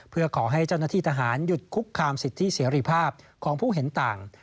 เพื่อขอให้เจ้าหน้าที่ทหารหยุดคุกคามสิทธิเสรีภาพของผู้เห็นต่าง